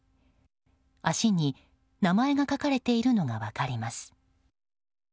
足に、名前が書かれているのが分かります。